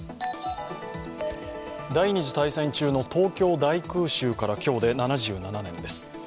第二次大戦中の東京大空襲から今日で７７年です。